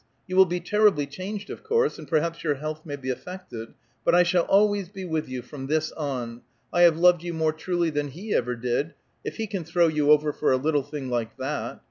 You will be terribly changed, of course; and perhaps your health may be affected; but I shall always be with you from this on. I have loved you more truly than he ever did, if he can throw you over for a little thing like that.